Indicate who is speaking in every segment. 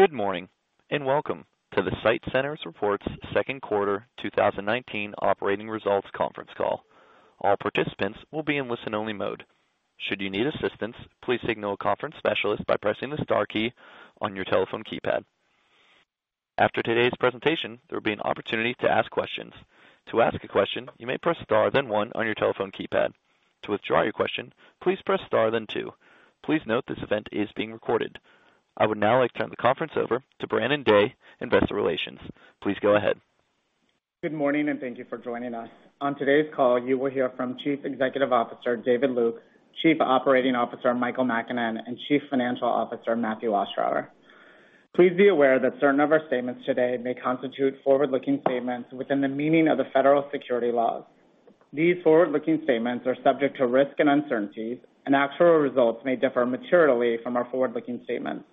Speaker 1: Good morning, and welcome to the SITE Centers reports second quarter 2019 operating results conference call. All participants will be in listen only mode. Should you need assistance, please signal a conference specialist by pressing the star key on your telephone keypad. After today's presentation, there will be an opportunity to ask questions. To ask a question, you may press star then one on your telephone keypad. To withdraw your question, please press star then two. Please note this event is being recorded. I would now like to turn the conference over to Brandon Day, investor relations. Please go ahead.
Speaker 2: Good morning. Thank you for joining us. On today's call, you will hear from Chief Executive Officer, David Lukes, Chief Operating Officer, Michael Makinen, and Chief Financial Officer, Matthew Ostrower. Please be aware that certain of our statements today may constitute forward-looking statements within the meaning of the federal securities laws. These forward-looking statements are subject to risks and uncertainties, and actual results may differ materially from our forward-looking statements.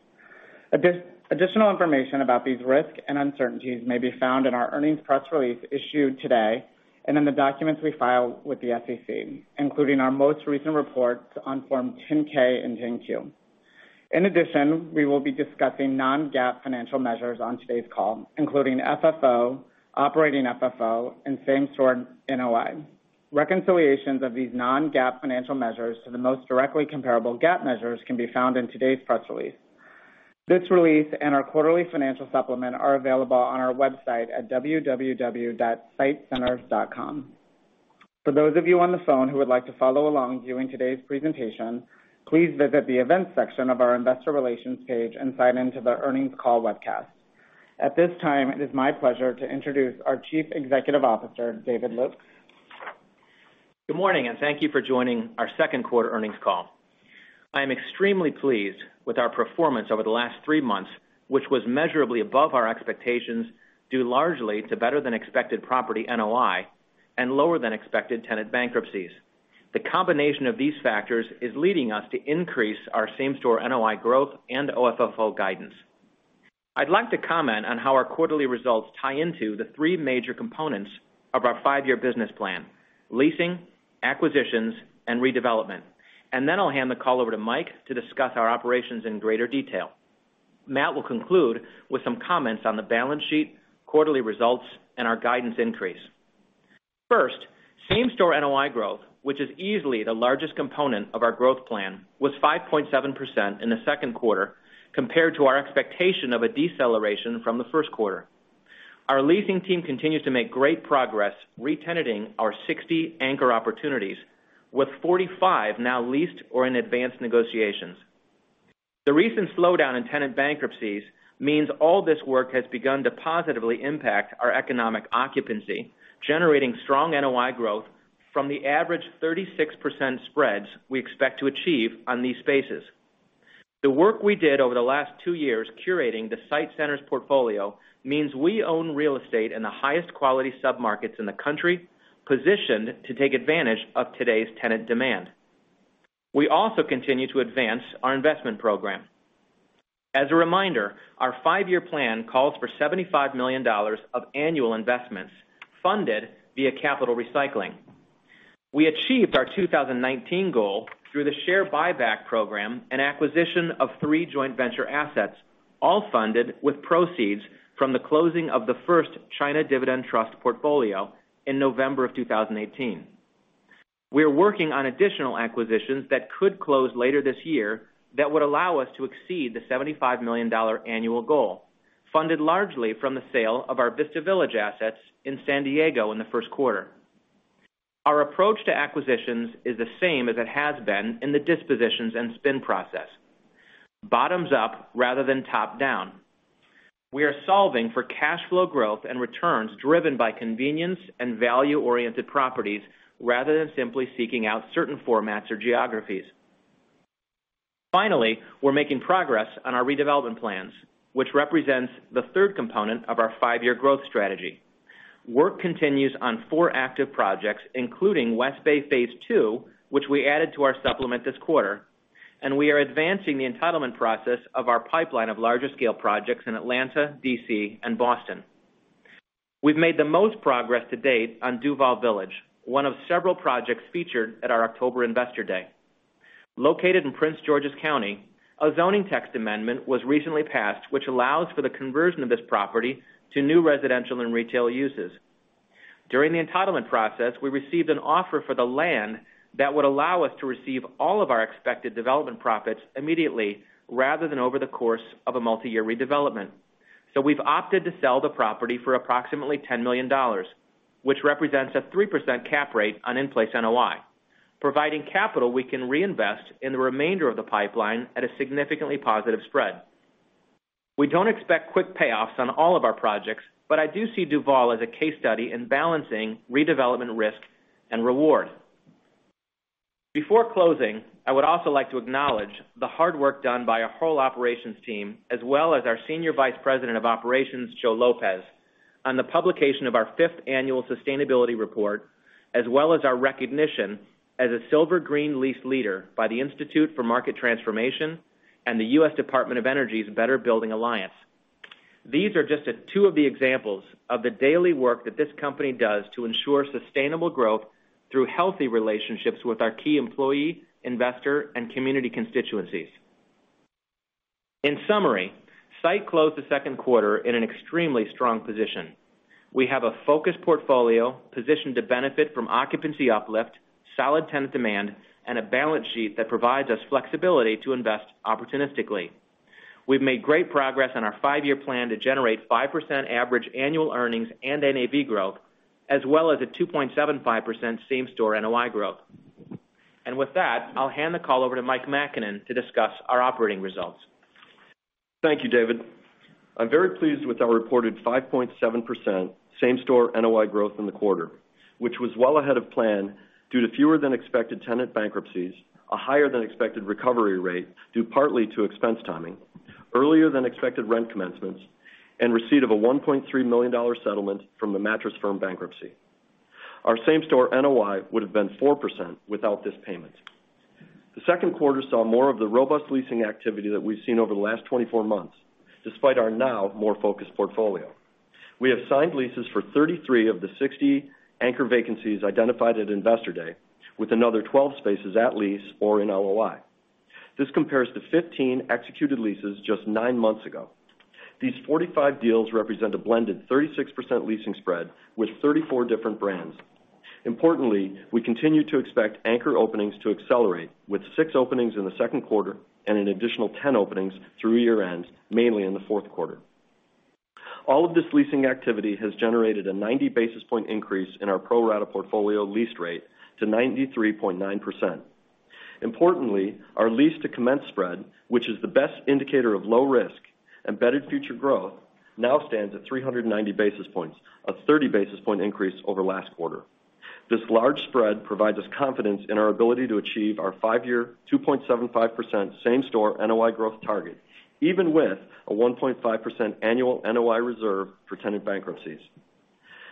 Speaker 2: Additional information about these risks and uncertainties may be found in our earnings press release issued today and in the documents we file with the SEC, including our most recent reports on Form 10-K and 10-Q. In addition, we will be discussing non-GAAP financial measures on today's call, including FFO, operating FFO, and same-store NOI. Reconciliations of these non-GAAP financial measures to the most directly comparable GAAP measures can be found in today's press release. This release and our quarterly financial supplement are available on our website at www.sitecenters.com. For those of you on the phone who would like to follow along viewing today's presentation, please visit the events section of our investor relations page and sign in to the earnings call webcast. At this time, it is my pleasure to introduce our Chief Executive Officer, David Lukes.
Speaker 3: Good morning. Thank you for joining our second quarter earnings call. I am extremely pleased with our performance over the last three months, which was measurably above our expectations, due largely to better than expected property NOI and lower than expected tenant bankruptcies. The combination of these factors is leading us to increase our same-store NOI growth and OFFO guidance. I'd like to comment on how our quarterly results tie into the three major components of our five-year business plan, leasing, acquisitions, and redevelopment. Then I'll hand the call over to Mike to discuss our operations in greater detail. Matt will conclude with some comments on the balance sheet, quarterly results, and our guidance increase. First, same-store NOI growth, which is easily the largest component of our growth plan, was 5.7% in the second quarter compared to our expectation of a deceleration from the first quarter. Our leasing team continues to make great progress re-tenanting our 60 anchor opportunities, with 45 now leased or in advanced negotiations. The recent slowdown in tenant bankruptcies means all this work has begun to positively impact our economic occupancy, generating strong NOI growth from the average 36% spreads we expect to achieve on these spaces. The work we did over the last two years curating the SITE Centers portfolio means we own real estate in the highest quality sub-markets in the country, positioned to take advantage of today's tenant demand. We also continue to advance our investment program. As a reminder, our five-year plan calls for $75 million of annual investments funded via capital recycling. We achieved our 2019 goal through the share buyback program and acquisition of three joint venture assets, all funded with proceeds from the closing of the first Dividend Trust Portfolio portfolio in November of 2018. We are working on additional acquisitions that could close later this year that would allow us to exceed the $75 million annual goal, funded largely from the sale of our Vista Village assets in San Diego in the first quarter. Our approach to acquisitions is the same as it has been in the dispositions and spin process. Bottoms up rather than top-down. We are solving for cash flow growth and returns driven by convenience and value-oriented properties rather than simply seeking out certain formats or geographies. We're making progress on our redevelopment plans, which represents the third component of our five-year growth strategy. Work continues on four active projects, including West Bay phase II, which we added to our supplement this quarter, and we are advancing the entitlement process of our pipeline of larger scale projects in Atlanta, D.C., and Boston. We've made the most progress to date on Duvall Village, one of several projects featured at our October Investor Day. Located in Prince George's County, a zoning text amendment was recently passed, which allows for the conversion of this property to new residential and retail uses. During the entitlement process, we received an offer for the land that would allow us to receive all of our expected development profits immediately rather than over the course of a multi-year redevelopment. We've opted to sell the property for approximately $10 million, which represents a 3% cap rate on in-place NOI, providing capital we can reinvest in the remainder of the pipeline at a significantly positive spread. We don't expect quick payoffs on all of our projects, but I do see Duvall as a case study in balancing redevelopment risk and reward. Before closing, I would also like to acknowledge the hard work done by our whole operations team, as well as our Senior Vice President of Operations, Joe Lopez, on the publication of our fifth annual sustainability report, as well as our recognition as a Silver Green Lease Leader by the Institute for Market Transformation and the U.S. Department of Energy's Better Buildings Alliance. These are just two of the examples of the daily work that this company does to ensure sustainable growth through healthy relationships with our key employee, investor, and community constituencies. In summary, SITE closed the second quarter in an extremely strong position. We have a focused portfolio positioned to benefit from occupancy uplift, solid tenant demand, and a balance sheet that provides us flexibility to invest opportunistically. We've made great progress on our five-year plan to generate 5% average annual earnings and NAV growth, as well as a 2.75% same-store NOI growth. With that, I'll hand the call over to Mike Makinen to discuss our operating results.
Speaker 4: Thank you, David. I'm very pleased with our reported 5.7% same-store NOI growth in the quarter, which was well ahead of plan due to fewer than expected tenant bankruptcies, a higher than expected recovery rate due partly to expense timing, earlier than expected rent commencements, and receipt of a $1.3 million settlement from the Mattress Firm bankruptcy. Our same-store NOI would've been 4% without this payment. The second quarter saw more of the robust leasing activity that we've seen over the last 24 months, despite our now more focused portfolio. We have signed leases for 33 of the 60 anchor vacancies identified at Investor Day, with another 12 spaces at lease or in LOI. This compares to 15 executed leases just nine months ago. These 45 deals represent a blended 36% leasing spread with 34 different brands. We continue to expect anchor openings to accelerate, with six openings in the second quarter and an additional 10 openings through year-end, mainly in the fourth quarter. All of this leasing activity has generated a 90 basis point increase in our pro rata portfolio lease rate to 93.9%. Our lease to commence spread, which is the best indicator of low risk, embedded future growth, now stands at 390 basis points, a 30-basis point increase over last quarter. This large spread provides us confidence in our ability to achieve our five-year, 2.75% same-store NOI growth target, even with a 1.5% annual NOI reserve for tenant bankruptcies.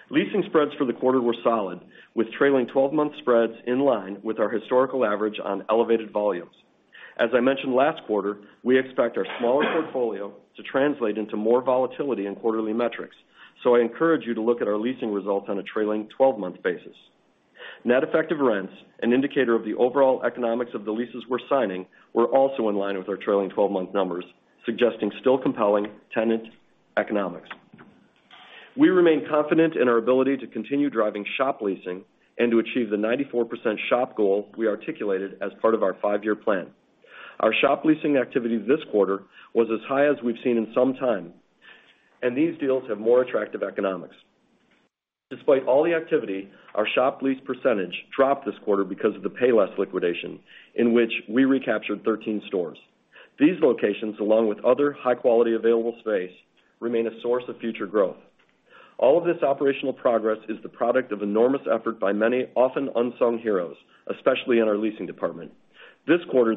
Speaker 4: Leasing spreads for the quarter were solid, with trailing 12-month spreads in line with our historical average on elevated volumes. As I mentioned last quarter, we expect our smaller portfolio to translate into more volatility in quarterly metrics. I encourage you to look at our leasing results on a trailing 12-month basis. Net effective rents, an indicator of the overall economics of the leases we're signing, were also in line with our trailing 12-month numbers, suggesting still compelling tenant economics. We remain confident in our ability to continue driving shop leasing and to achieve the 94% shop goal we articulated as part of our five-year plan. Our shop leasing activity this quarter was as high as we've seen in some time, and these deals have more attractive economics. Despite all the activity, our shop lease percentage dropped this quarter because of the Payless liquidation, in which we recaptured 13 stores. These locations, along with other high-quality available space, remain a source of future growth. All of this operational progress is the product of enormous effort by many often unsung heroes, especially in our leasing department. This quarter,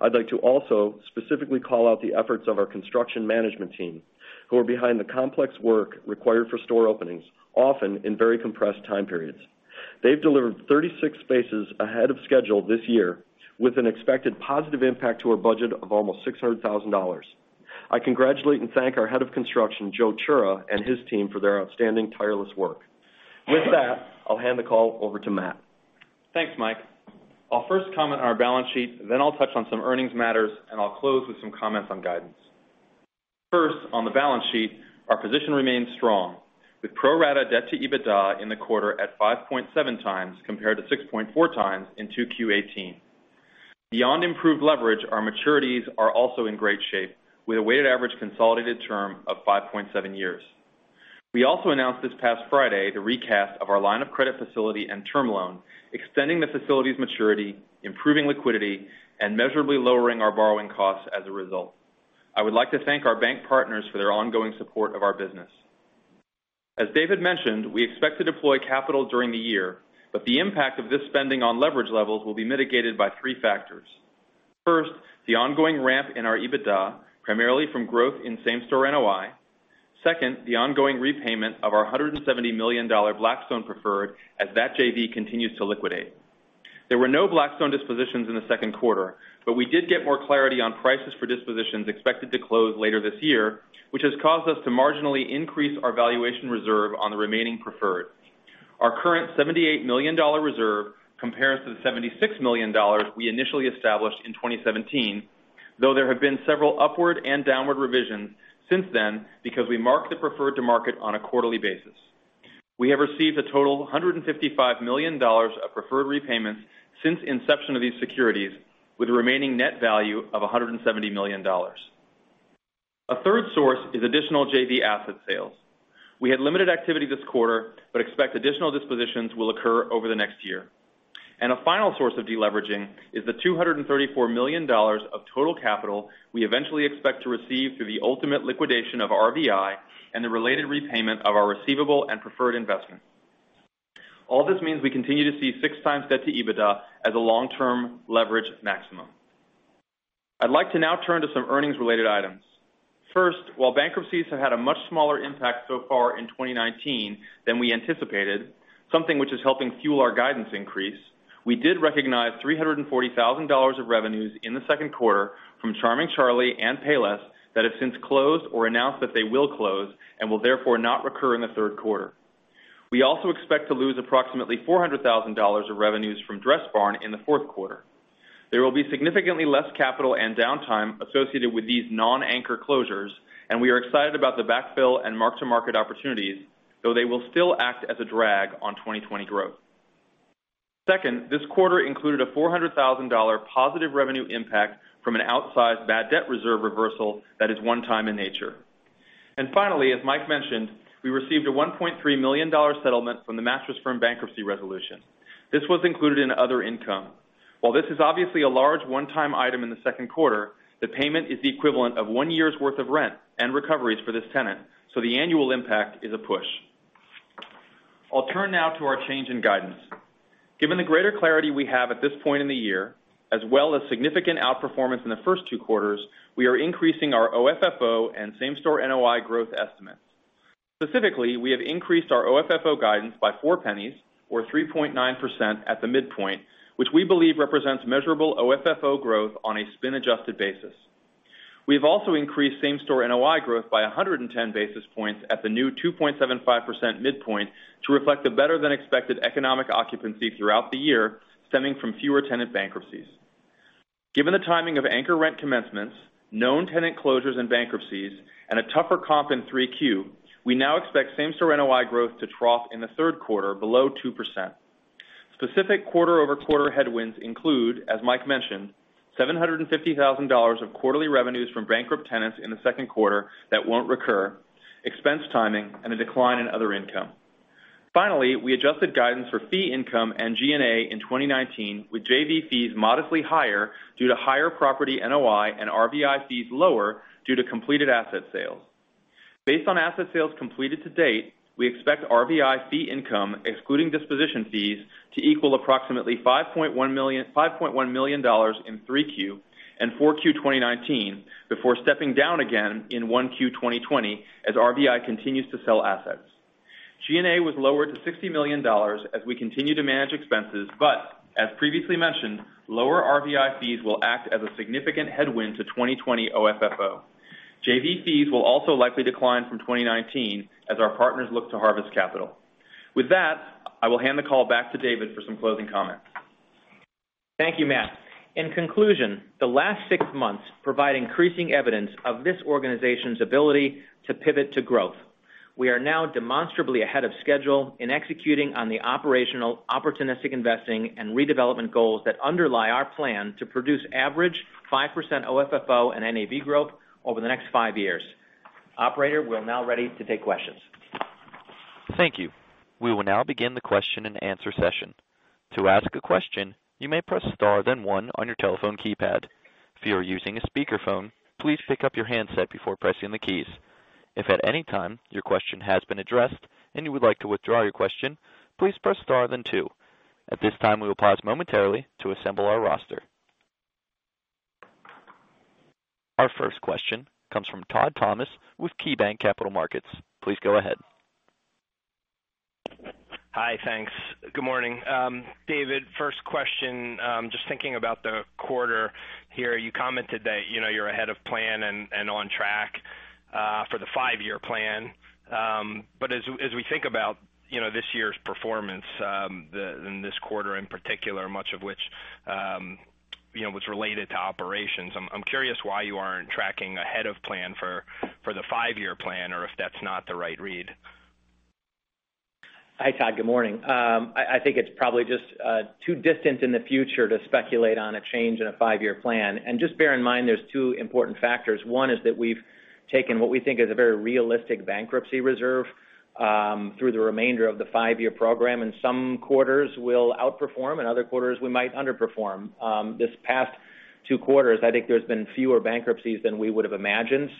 Speaker 4: I'd like to also specifically call out the efforts of our construction management team who are behind the complex work required for store openings, often in very compressed time periods. They've delivered 36 spaces ahead of schedule this year with an expected positive impact to our budget of almost $600,000. I congratulate and thank our Head of Construction, Joe Chura, and his team for their outstanding tireless work. With that, I'll hand the call over to Matt.
Speaker 5: Thanks, Mike. I'll first comment on our balance sheet, then I'll touch on some earnings matters, and I'll close with some comments on guidance. First, on the balance sheet, our position remains strong, with pro rata debt to EBITDA in the quarter at 5.7 times, compared to 6.4 times in 2Q 2018. Beyond improved leverage, our maturities are also in great shape with a weighted average consolidated term of 5.7 years. We also announced this past Friday the recast of our line of credit facility and term loan, extending the facility's maturity, improving liquidity, and measurably lowering our borrowing costs as a result. I would like to thank our bank partners for their ongoing support of our business. As David mentioned, we expect to deploy capital during the year, but the impact of this spending on leverage levels will be mitigated by three factors. First, the ongoing ramp in our EBITDA, primarily from growth in same-store NOI. Second, the ongoing repayment of our $170 million Blackstone preferred as that JV continues to liquidate. There were no Blackstone dispositions in the second quarter. We did get more clarity on prices for dispositions expected to close later this year, which has caused us to marginally increase our valuation reserve on the remaining preferred. Our current $78 million reserve compares to the $76 million we initially established in 2017. There have been several upward and downward revisions since then because we mark the preferred to market on a quarterly basis. We have received a total of $155 million of preferred repayments since inception of these securities with a remaining net value of $170 million. A third source is additional JV asset sales. We had limited activity this quarter. We expect additional dispositions will occur over the next year. A final source of deleveraging is the $234 million of total capital we eventually expect to receive through the ultimate liquidation of RVI and the related repayment of our receivable and preferred investment. All this means we continue to see six times debt to EBITDA as a long-term leverage maximum. I'd like to now turn to some earnings-related items. First, while bankruptcies have had a much smaller impact so far in 2019 than we anticipated. Something which is helping fuel our guidance increase. We did recognize $340,000 of revenues in the second quarter from Charming Charlie and Payless that have since closed or announced that they will close and will therefore not recur in the third quarter. We also expect to lose approximately $400,000 of revenues from Dressbarn in the fourth quarter. There will be significantly less capital and downtime associated with these non-anchor closures, and we are excited about the backfill and mark-to-market opportunities, though they will still act as a drag on 2020 growth. Second, this quarter included a $400,000 positive revenue impact from an outsized bad debt reserve reversal that is one-time in nature. Finally, as Mike mentioned, we received a $1.3 million settlement from the Mattress Firm bankruptcy resolution. This was included in other income. While this is obviously a large one-time item in the second quarter, the payment is the equivalent of one year's worth of rent and recoveries for this tenant, the annual impact is a push. I'll turn now to our change in guidance. Given the greater clarity we have at this point in the year, as well as significant outperformance in the first two quarters, we are increasing our OFFO and same-store NOI growth estimates. We have increased our OFFO guidance by $0.04 or 3.9% at the midpoint, which we believe represents measurable OFFO growth on a spin-adjusted basis. We have also increased same-store NOI growth by 110 basis points at the new 2.75% midpoint to reflect the better-than-expected economic occupancy throughout the year, stemming from fewer tenant bankruptcies. Given the timing of anchor rent commencements, known tenant closures and bankruptcies, and a tougher comp in 3Q, we now expect same-store NOI growth to trough in the third quarter below 2%. Specific quarter-over-quarter headwinds include, as Mike mentioned, $750,000 of quarterly revenues from bankrupt tenants in the second quarter that won't recur, expense timing, and a decline in other income. Finally, we adjusted guidance for fee income and G&A in 2019 with JV fees modestly higher due to higher property NOI and RVI fees lower due to completed asset sales. Based on asset sales completed to date, we expect RVI fee income, excluding disposition fees, to equal approximately $5.1 million in 3Q and 4Q 2019 before stepping down again in 1Q 2020 as RVI continues to sell assets. G&A was lowered to $60 million as we continue to manage expenses, but as previously mentioned, lower RVI fees will act as a significant headwind to 2020 OFFO. JV fees will also likely decline from 2019 as our partners look to harvest capital. With that, I will hand the call back to David for some closing comments.
Speaker 3: Thank you, Matt. In conclusion, the last six months provide increasing evidence of this organization's ability to pivot to growth. We are now demonstrably ahead of schedule in executing on the operational opportunistic investing and redevelopment goals that underlie our plan to produce average 5% OFFO and NAV growth over the next five years. Operator, we are now ready to take questions.
Speaker 1: Thank you. We will now begin the question-and-answer session. To ask a question, you may press star, then one on your telephone keypad. If you are using a speakerphone, please pick up your handset before pressing the keys. If at any time your question has been addressed and you would like to withdraw your question, please press star, then two. At this time, we will pause momentarily to assemble our roster. Our first question comes from Todd Thomas with KeyBanc Capital Markets. Please go ahead.
Speaker 6: Hi, thanks. Good morning. David, first question, just thinking about the quarter here, you commented that you're ahead of plan and on track for the five-year plan. As we think about this year's performance in this quarter in particular, much of which was related to operations, I'm curious why you aren't tracking ahead of plan for the five-year plan, or if that's not the right read.
Speaker 3: Hi, Todd, good morning. I think it's probably just too distant in the future to speculate on a change in a five-year plan. Just bear in mind, there's two important factors. One is that we've taken what we think is a very realistic bankruptcy reserve through the remainder of the five-year program, and some quarters will outperform and other quarters we might underperform. This past two quarters, I think there's been fewer bankruptcies than we would have imagined.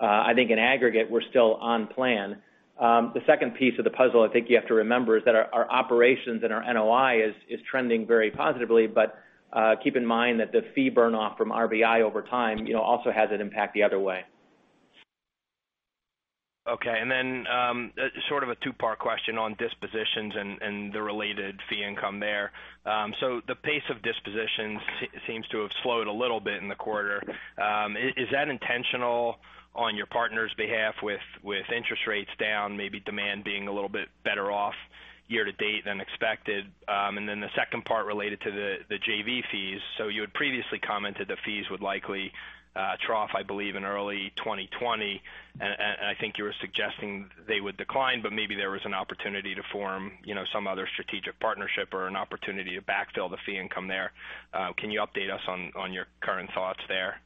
Speaker 3: I think in aggregate, we're still on plan. The second piece of the puzzle I think you have to remember is that our operations and our NOI is trending very positively, but keep in mind that the fee burn off from RVI over time also has an impact the other way.
Speaker 6: Sort of a two-part question on dispositions and the related fee income there. The pace of dispositions seems to have slowed a little bit in the quarter. Is that intentional on your partner's behalf with interest rates down, maybe demand being a little bit better off year to date than expected? The second part related to the JV fees. You had previously commented the fees would likely trough, I believe, in early 2020, and I think you were suggesting they would decline, but maybe there was an opportunity to form some other strategic partnership or an opportunity to backfill the fee income there. Can you update us on your current thoughts there?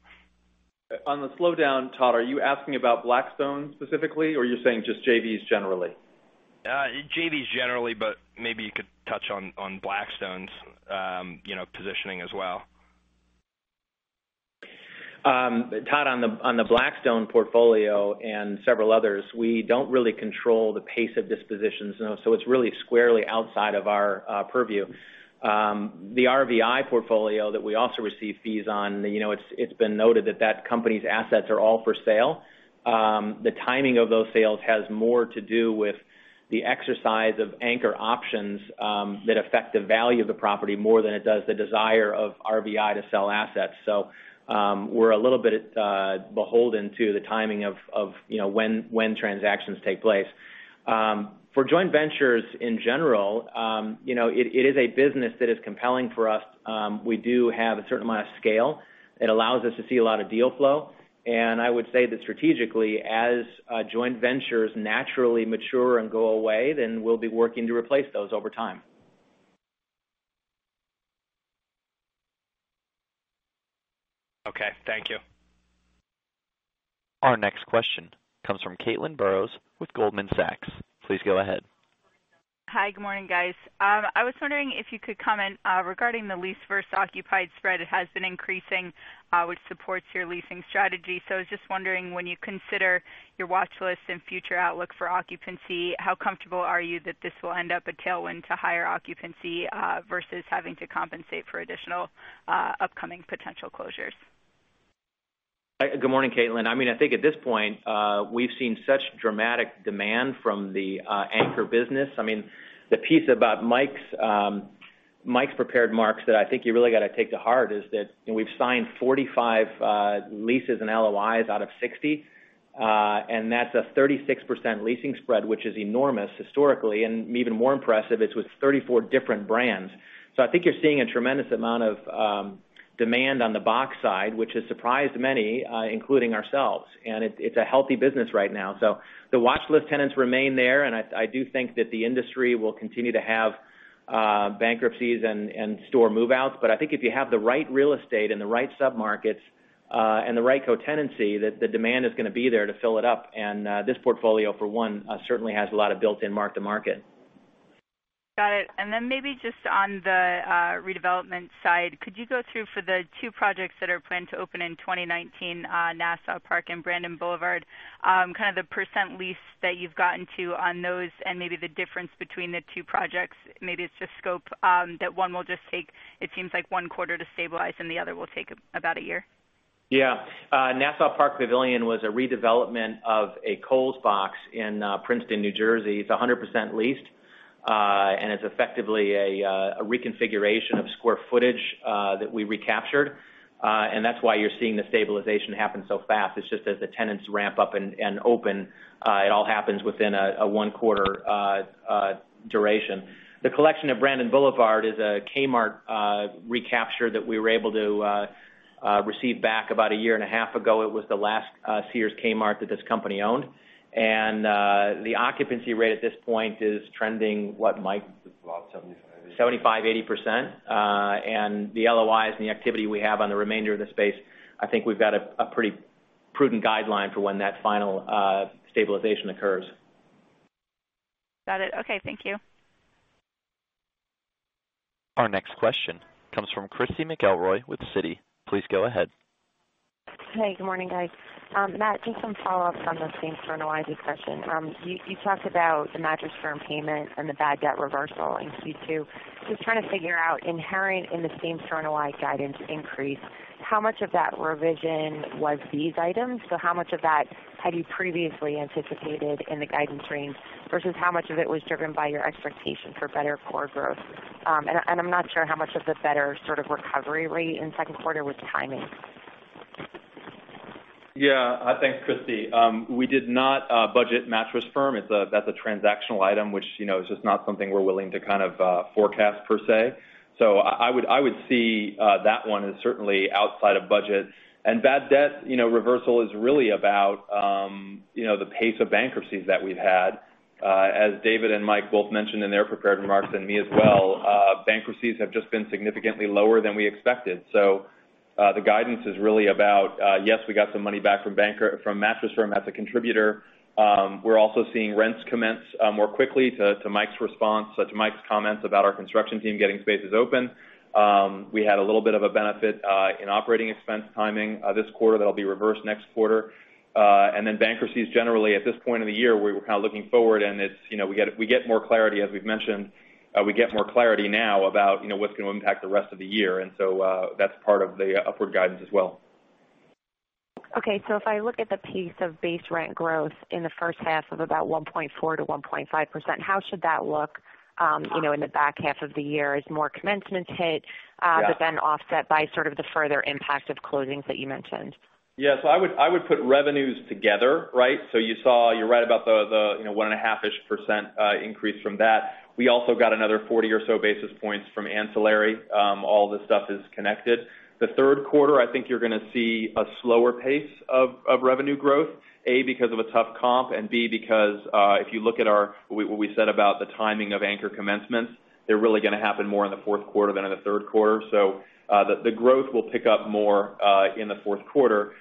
Speaker 3: On the slowdown, Todd, are you asking about Blackstone specifically or you're saying just JVs generally?
Speaker 6: JVs generally, but maybe you could touch on Blackstone's positioning as well.
Speaker 3: Todd, on the Blackstone portfolio and several others, we don't really control the pace of dispositions. It's really squarely outside of our purview. The RVI portfolio that we also receive fees on, it's been noted that that company's assets are all for sale. The timing of those sales has more to do with the exercise of anchor options that affect the value of the property more than it does the desire of RVI to sell assets. We're a little bit beholden to the timing of when transactions take place. For joint ventures in general, it is a business that is compelling for us. We do have a certain amount of scale. It allows us to see a lot of deal flow. I would say that strategically, as joint ventures naturally mature and go away, then we'll be working to replace those over time.
Speaker 6: Okay. Thank you.
Speaker 1: Our next question comes from Caitlin Burrows with Goldman Sachs. Please go ahead.
Speaker 7: Hi. Good morning, guys. I was wondering if you could comment regarding the lease versus occupied spread. It has been increasing, which supports your leasing strategy. I was just wondering, when you consider your watch list and future outlook for occupancy, how comfortable are you that this will end up a tailwind to higher occupancy versus having to compensate for additional upcoming potential closures?
Speaker 3: Good morning, Caitlin. I think at this point, we've seen such dramatic demand from the anchor business. The piece about Mike's prepared marks that I think you really got to take to heart is that we've signed 45 leases and LOIs out of 60, and that's a 36% leasing spread, which is enormous historically, and even more impressive, it's with 34 different brands. I think you're seeing a tremendous amount of demand on the box side, which has surprised many, including ourselves. It's a healthy business right now. The watchlist tenants remain there, and I do think that the industry will continue to have bankruptcies and store move-outs. I think if you have the right real estate and the right sub-markets, and the right co-tenancy, that the demand is going to be there to fill it up. This portfolio, for one, certainly has a lot of built-in mark to market.
Speaker 7: Got it. Then maybe just on the redevelopment side, could you go through for the two projects that are planned to open in 2019, Nassau Park and Brandon Boulevard, kind of the percent lease that you've gotten to on those, and maybe the difference between the two projects. Maybe it's just scope that one will just take, it seems like one quarter to stabilize and the other will take about a year.
Speaker 3: Nassau Park Pavilion was a redevelopment of a Kohl's box in Princeton, New Jersey. It's 100% leased, and it's effectively a reconfiguration of square footage that we recaptured. That's why you're seeing the stabilization happen so fast. It's just as the tenants ramp up and open, it all happens within a one quarter duration. The collection of Brandon Boulevard is a Kmart recapture that we were able to receive back about a year and a half ago. It was the last Sears Kmart that this company owned. The occupancy rate at this point is trending, what, Mike?
Speaker 4: About 75, 80.
Speaker 3: 75%, 80%. The LOIs and the activity we have on the remainder of the space, I think we've got a pretty prudent guideline for when that final stabilization occurs.
Speaker 7: Got it. Okay. Thank you.
Speaker 1: Our next question comes from Christy McElroy with Citi. Please go ahead.
Speaker 8: Good morning, guys. Matt, just some follow-ups on the same externalized discussion. You talked about the Mattress Firm payment and the bad debt reversal in Q2. Just trying to figure out, inherent in the same externalized guidance increase, how much of that revision was these items? How much of that had you previously anticipated in the guidance range, versus how much of it was driven by your expectation for better core growth? I'm not sure how much of the better sort of recovery rate in second quarter was timing.
Speaker 5: Thanks, Christy. We did not budget Mattress Firm. That's a transactional item, which is just not something we're willing to kind of forecast per se. I would see that one as certainly outside of budget. Bad debt reversal is really about the pace of bankruptcies that we've had. As David and Mike both mentioned in their prepared remarks, and me as well, bankruptcies have just been significantly lower than we expected. The guidance is really about, yes, we got some money back from Mattress Firm as a contributor. We're also seeing rents commence more quickly, to Mike's comments about our construction team getting spaces open. We had a little bit of a benefit in operating expense timing this quarter that'll be reversed next quarter. Bankruptcies generally at this point of the year, we're kind of looking forward, and we get more clarity, as we've mentioned. We get more clarity now about what's going to impact the rest of the year. That's part of the upward guidance as well.
Speaker 8: Okay. If I look at the pace of base rent growth in the first half of about 1.4%-1.5%, how should that look in the back half of the year as more commencements hit?
Speaker 5: Yeah
Speaker 8: Offset by sort of the further impact of closings that you mentioned?
Speaker 5: Yeah. I would put revenues together. You're right about the 1.5%-ish increase from that. We also got another 40 or so basis points from ancillary. All this stuff is connected. The third quarter, I think you're going to see a slower pace of revenue growth. A, because of a tough comp, and B, because if you look at what we said about the timing of anchor commencements, they're really going to happen more in the fourth quarter than in the third quarter. The growth will pick up more in the fourth quarter.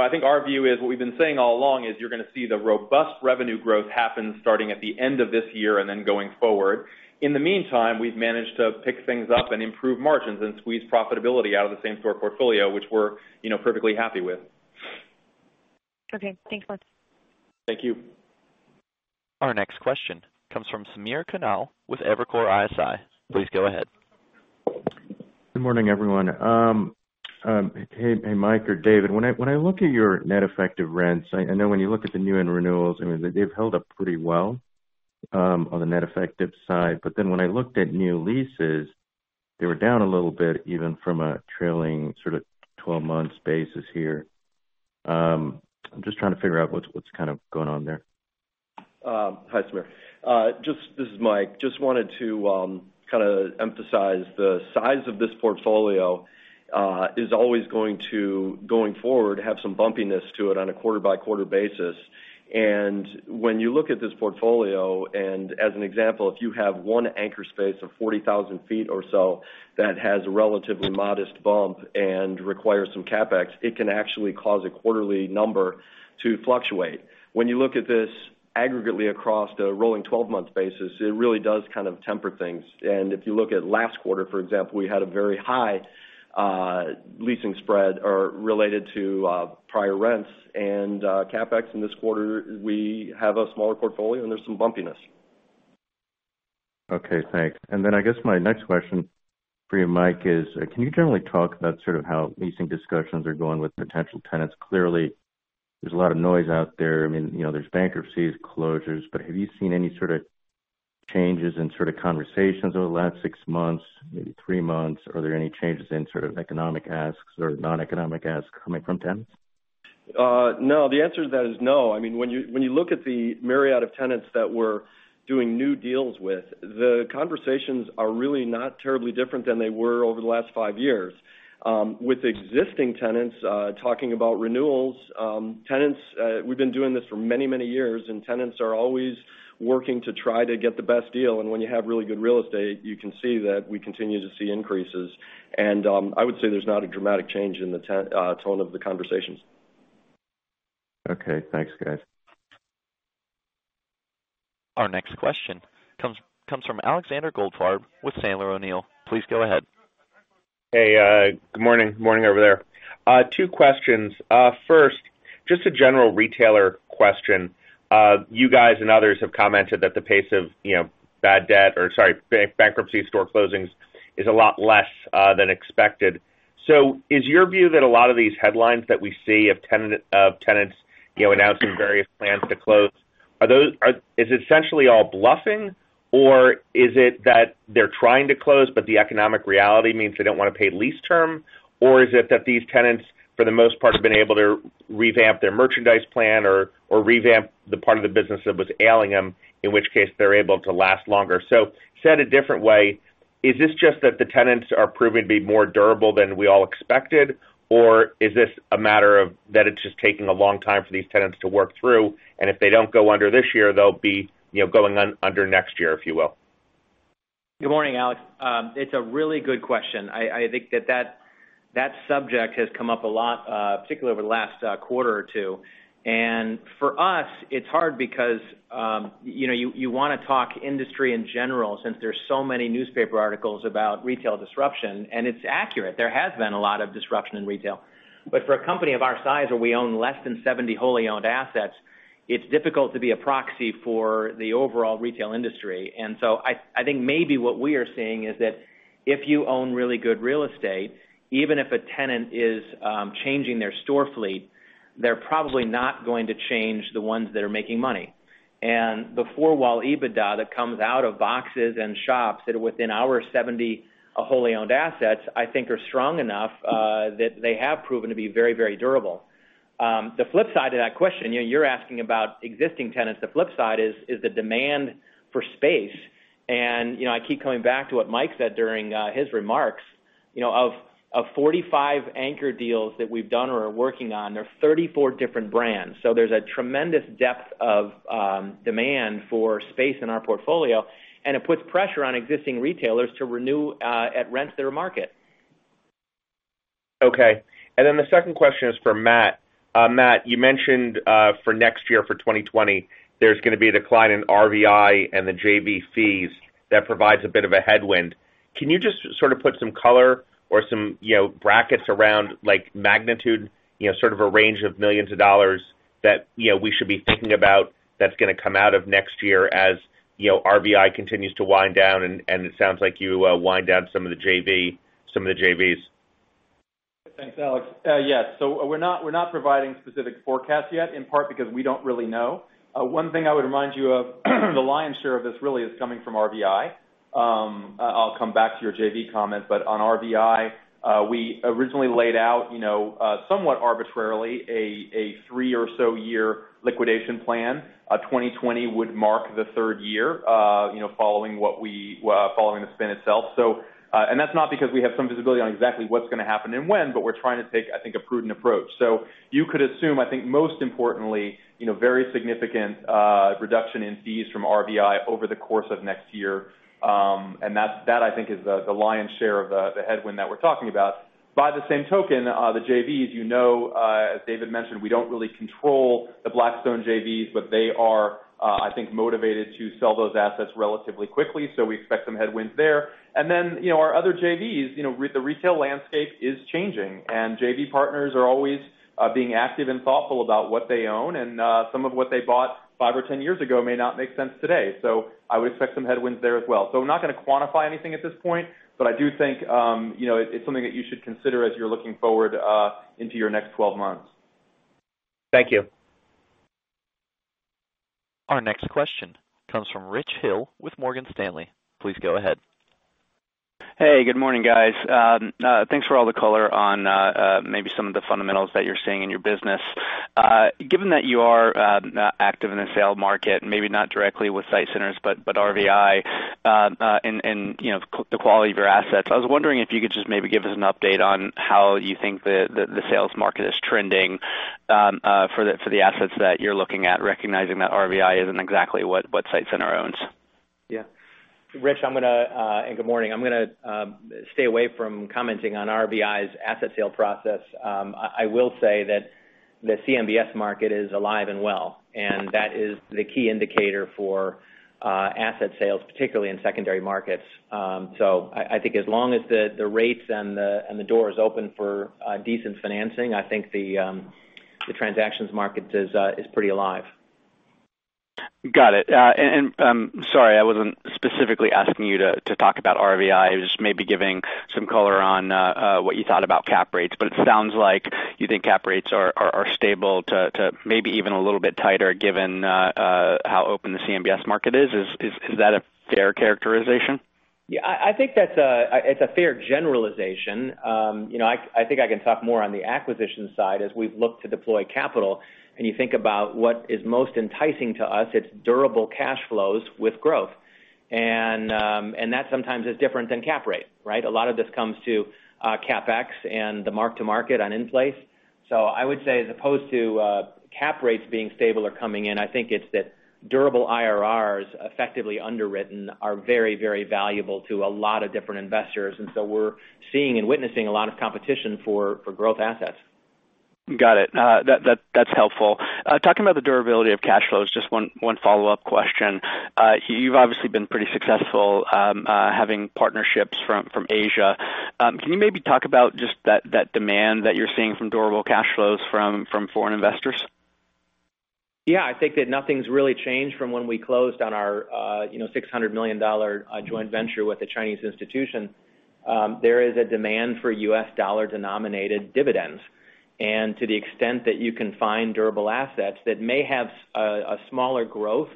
Speaker 5: I think our view is, what we've been saying all along is you're going to see the robust revenue growth happen starting at the end of this year and then going forward. In the meantime, we've managed to pick things up and improve margins and squeeze profitability out of the same store portfolio, which we're perfectly happy with.
Speaker 8: Okay. Thanks, Matt.
Speaker 5: Thank you.
Speaker 1: Our next question comes from Samir Khanal with Evercore ISI. Please go ahead.
Speaker 9: Good morning, everyone. Hey, Mike or David, when I look at your net effective rents, I know when you look at the new and renewals, they've held up pretty well on the net effective side. When I looked at new leases, they were down a little bit, even from a trailing 12 months basis here. I'm just trying to figure out what's going on there.
Speaker 4: Hi, Samir. This is Mike. Just wanted to emphasize the size of this portfolio is always going to, going forward, have some bumpiness to it on a quarter-by-quarter basis. When you look at this portfolio, and as an example, if you have one anchor space of 40,000 ft or so that has a relatively modest bump and requires some CapEx, it can actually cause a quarterly number to fluctuate. When you look at this aggregately across a rolling 12-month basis, it really does temper things. If you look at last quarter, for example, we had a very high leasing spread related to prior rents and CapEx. In this quarter, we have a smaller portfolio, and there's some bumpiness.
Speaker 9: Okay, thanks. Then I guess my next question for you, Mike, is can you generally talk about how leasing discussions are going with potential tenants? Clearly, there's a lot of noise out there. There's bankruptcies, closures, but have you seen any changes in conversations over the last six months, maybe three months? Are there any changes in economic asks or non-economic asks coming from tenants?
Speaker 4: No, the answer to that is no. You look at the myriad of tenants that we're doing new deals with, the conversations are really not terribly different than they were over the last five years. With existing tenants, talking about renewals, we've been doing this for many, many years, tenants are always working to try to get the best deal. When you have really good real estate, you can see that we continue to see increases. I would say there's not a dramatic change in the tone of the conversations.
Speaker 9: Okay, thanks, guys.
Speaker 1: Our next question comes from Alexander Goldfarb with Sandler O'Neill. Please go ahead.
Speaker 10: Hey, good morning. Morning over there. Two questions. First, just a general retailer question. You guys and others have commented that the pace of bankruptcies, store closings is a lot less than expected. Is your view that a lot of these headlines that we see of tenants announcing various plans to close, is it essentially all bluffing? Is it that they're trying to close, but the economic reality means they don't want to pay lease term? Is it that these tenants, for the most part, have been able to revamp their merchandise plan or revamp the part of the business that was ailing them, in which case they're able to last longer? Said a different way, is this just that the tenants are proving to be more durable than we all expected? Is this a matter of that it's just taking a long time for these tenants to work through, and if they don't go under this year, they'll be going under next year, if you will?
Speaker 3: Good morning, Alex. It's a really good question. I think that subject has come up a lot, particularly over the last quarter or two. For us, it's hard because you want to talk industry in general, since there's so many newspaper articles about retail disruption, and it's accurate. There has been a lot of disruption in retail. For a company of our size, where we own less than 70 wholly-owned assets, it's difficult to be a proxy for the overall retail industry. I think maybe what we are seeing is that if you own really good real estate, even if a tenant is changing their store fleet, they're probably not going to change the ones that are making money. The four-wall EBITDA that comes out of boxes and shops that are within our 70 wholly owned assets, I think are strong enough that they have proven to be very, very durable. The flip side to that question, you're asking about existing tenants. The flip side is the demand for space. I keep coming back to what Mike said during his remarks. Of 45 anchor deals that we've done or are working on, there are 34 different brands. There's a tremendous depth of demand for space in our portfolio, and it puts pressure on existing retailers to renew at rents that are market.
Speaker 10: Okay. The second question is for Matt. Matt, you mentioned for next year, for 2020, there's going to be a decline in RVI and the JV fees that provides a bit of a headwind. Can you just put some color or some brackets around magnitude, sort of a range of millions of dollars that we should be thinking about that's going to come out of next year as RVI continues to wind down, and it sounds like you wind down some of the JVs?
Speaker 5: Thanks, Alex. Yeah. We're not providing specific forecasts yet, in part because we don't really know. One thing I would remind you of, the lion's share of this really is coming from RVI. I'll come back to your JV comment, on RVI, we originally laid out somewhat arbitrarily a three or so year liquidation plan. 2020 would mark the third year following the spin itself. That's not because we have some visibility on exactly what's going to happen and when, we're trying to take, I think, a prudent approach. You could assume, I think, most importantly, very significant reduction in fees from RVI over the course of next year. That, I think, is the lion's share of the headwind that we're talking about. By the same token, the JVs, as David mentioned, we don't really control the Blackstone JVs. They are, I think, motivated to sell those assets relatively quickly. We expect some headwinds there. Our other JVs, the retail landscape is changing, and JV partners are always being active and thoughtful about what they own, and some of what they bought five or 10 years ago may not make sense today. I would expect some headwinds there as well. We're not going to quantify anything at this point, but I do think it's something that you should consider as you're looking forward into your next 12 months.
Speaker 10: Thank you.
Speaker 1: Our next question comes from Rich Hill with Morgan Stanley. Please go ahead.
Speaker 11: Hey, good morning, guys. Thanks for all the color on maybe some of the fundamentals that you're seeing in your business. Given that you are active in the sale market, maybe not directly with SITE Centers, but RVI, and the quality of your assets, I was wondering if you could just maybe give us an update on how you think the sales market is trending for the assets that you're looking at, recognizing that RVI isn't exactly what SITE Centers owns?
Speaker 3: Yeah. Rich, good morning. I'm going to stay away from commenting on RVI's asset sale process. I will say that the CMBS market is alive and well, and that is the key indicator for asset sales, particularly in secondary markets. I think as long as the rates and the door is open for decent financing, I think the transactions market is pretty alive.
Speaker 11: Got it. Sorry, I wasn't specifically asking you to talk about RVI. I was just maybe giving some color on what you thought about cap rates. It sounds like you think cap rates are stable to maybe even a little bit tighter given how open the CMBS market is. Is that a fair characterization?
Speaker 3: Yeah, I think that it's a fair generalization. I think I can talk more on the acquisition side as we've looked to deploy capital. You think about what is most enticing to us, it's durable cash flows with growth. That sometimes is different than cap rate, right? A lot of this comes to CapEx and the mark-to-market on in-place. I would say, as opposed to cap rates being stable or coming in, I think it's that durable IRRs effectively underwritten are very, very valuable to a lot of different investors. We're seeing and witnessing a lot of competition for growth assets.
Speaker 11: Got it. That's helpful. Talking about the durability of cash flows, just one follow-up question. You've obviously been pretty successful having partnerships from Asia. Can you maybe talk about just that demand that you're seeing from durable cash flows from foreign investors?
Speaker 3: Yeah. I think that nothing's really changed from when we closed on our $600 million joint venture with the Chinese institution. There is a demand for U.S. dollar-denominated dividends. To the extent that you can find durable assets that may have a smaller growth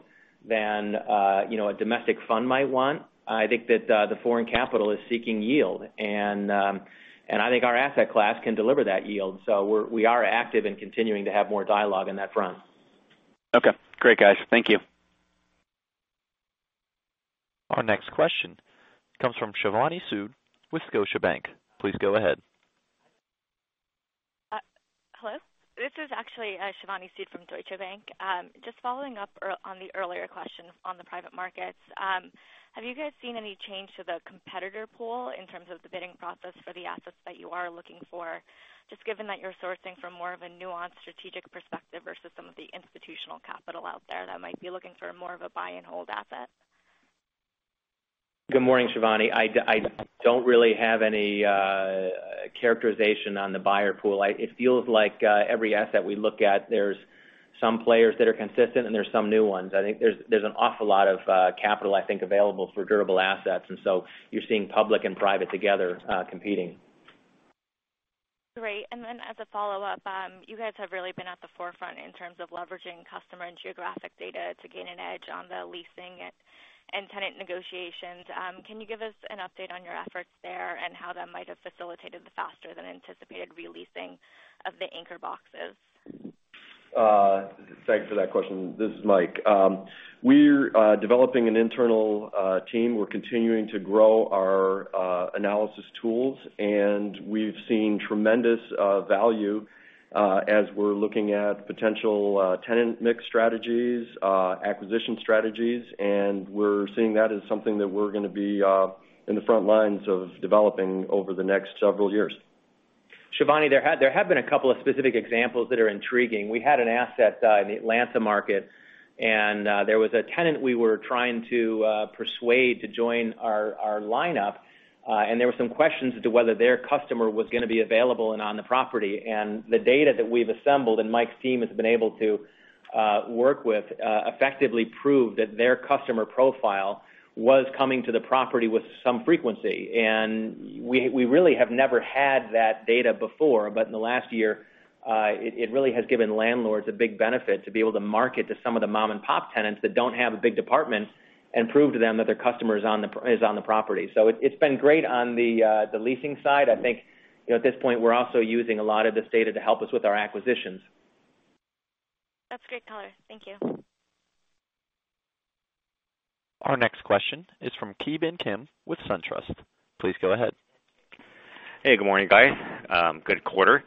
Speaker 3: than a domestic fund might want, I think that the foreign capital is seeking yield. I think our asset class can deliver that yield. We are active in continuing to have more dialogue on that front.
Speaker 11: Okay. Great, guys. Thank you.
Speaker 1: Our next question comes from Shivani Sood with Scotiabank. Please go ahead.
Speaker 12: Hello. This is actually Shivani Sood from Deutsche Bank. Just following up on the earlier question on the private markets. Have you guys seen any change to the competitor pool in terms of the bidding process for the assets that you are looking for, just given that you're sourcing from more of a nuanced strategic perspective versus some of the institutional capital out there that might be looking for more of a buy-and-hold asset?
Speaker 3: Good morning, Shivani. I don't really have any characterization on the buyer pool. It feels like every asset we look at, there's some players that are consistent and there's some new ones. I think there's an awful lot of capital, I think, available for durable assets. You're seeing public and private together, competing.
Speaker 12: Great. As a follow-up, you guys have really been at the forefront in terms of leveraging customer and geographic data to gain an edge on the leasing and tenant negotiations. Can you give us an update on your efforts there and how that might have facilitated the faster than anticipated re-leasing of the anchor boxes?
Speaker 4: Thanks for that question. This is Mike. We're developing an internal team. We're continuing to grow our analysis tools, and we've seen tremendous value as we're looking at potential tenant mix strategies, acquisition strategies, and we're seeing that as something that we're going to be in the front lines of developing over the next several years.
Speaker 3: Shivani, there have been a couple of specific examples that are intriguing. We had an asset in the Atlanta market, and there was a tenant we were trying to persuade to join our lineup. There were some questions as to whether their customer was going to be available and on the property. The data that we've assembled and Mike's team has been able to work with, effectively prove that their customer profile was coming to the property with some frequency. We really have never had that data before, but in the last year, it really has given landlords a big benefit to be able to market to some of the mom-and-pop tenants that don't have a big department and prove to them that their customer is on the property. It's been great on the leasing side. I think, at this point, we're also using a lot of this data to help us with our acquisitions.
Speaker 12: That's great color. Thank you.
Speaker 1: Our next question is from Ki Bin Kim with SunTrust. Please go ahead.
Speaker 13: Hey, good morning, guys. Good quarter.